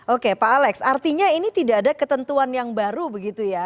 oke pak alex artinya ini tidak ada ketentuan yang baru begitu ya